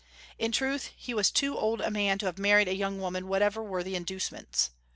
In truth, he was too old a man to have married a young woman whatever were the inducements.